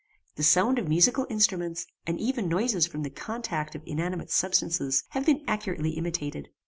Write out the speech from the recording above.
The sound of musical instruments, and even noises from the contact of inanimate substances, have been accurately imitated.